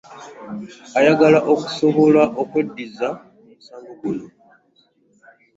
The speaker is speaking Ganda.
Ayagala okusobola okweddiza omusango guno